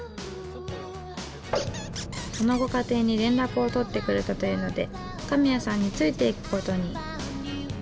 そのご家庭に連絡をとってくれたというので神谷さんに付いて行く事に。